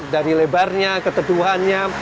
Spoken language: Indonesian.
dari lebarnya keteduhannya